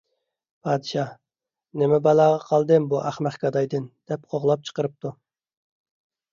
پادىشاھ: «نېمە بالاغا قالدىم بۇ ئەخمەق گادايدىن» دەپ قوغلاپ چىقىرىپتۇ.